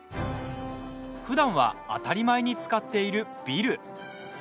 ふだんは当たり前に使っているビル。